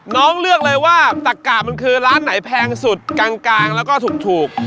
เลือกเลยว่าตักกะมันคือร้านไหนแพงสุดกลางแล้วก็ถูก